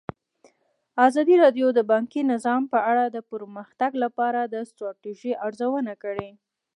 ازادي راډیو د بانکي نظام په اړه د پرمختګ لپاره د ستراتیژۍ ارزونه کړې.